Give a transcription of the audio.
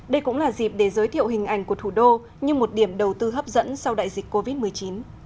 đây cũng là dịp để giới thiệu hình ảnh của thủ đô như một điểm đầu tư hấp dẫn sau đại dịch covid một mươi chín